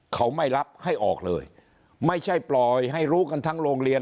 เขาไม่รับให้ออกเลยไม่ใช่ปล่อยให้รู้กันทั้งโรงเรียน